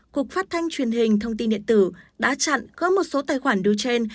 cục phát thanh truyền hình thông tin điện tử đã chặn có một số tài khoản duchenne